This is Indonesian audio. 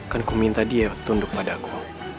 kan ku minta dia tunduk padaku